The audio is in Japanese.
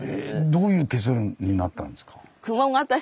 どういう結論になったんですか？